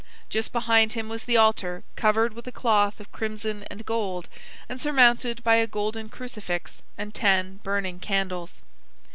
Just behind him was the altar covered with a cloth of crimson and gold, and surmounted by a golden crucifix and ten burning candles.